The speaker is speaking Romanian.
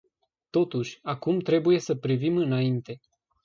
Totuși, acum trebuie să privim înainte.